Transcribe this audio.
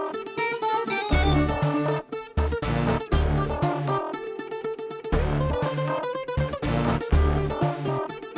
dia pada saatnya sampai memperkenalkan dirinya